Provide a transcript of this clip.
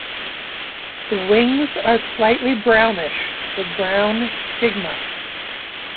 The wings are slightly brownish with brown stigma.